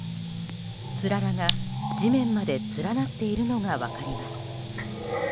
つららが地面まで連なっているのが分かります。